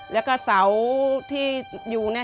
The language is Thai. แล้วก็เสาที่อยู่เนี่ย